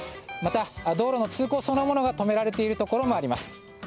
また、道路の通行そのものが止められているところもあります。